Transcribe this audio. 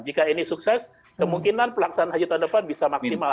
jika ini sukses kemungkinan pelaksanaan haji tahun depan bisa maksimal